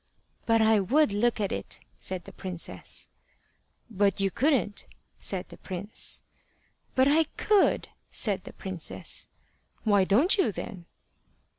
"But I would look at it," said the princess. "But you couldn't," said the prince. "But I could," said the princess. "Why don't you, then?"